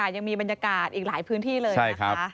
ยังมีบรรยากาศอีกหลายพื้นที่เลยนะคะ